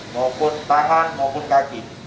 maupun tahan maupun kaki